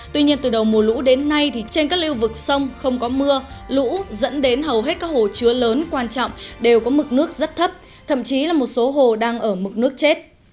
tuy nhiên từ đầu mùa lũ đến nay thì trên các lưu vực sông không có mưa lũ dẫn đến hầu hết các hồ chứa lớn quan trọng đều có mực nước rất thấp thậm chí là một số hồ đang ở mực nước chết